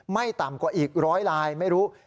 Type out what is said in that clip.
ไม่ต่ำกว่าอีกร้อยลายไม่รู้